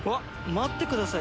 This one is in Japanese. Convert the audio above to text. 待ってください。